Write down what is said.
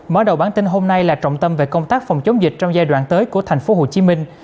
mở đầu bản tin hôm nay là trọng tâm về công tác phòng chống dịch trong giai đoạn tới của thành phố hồ chí minh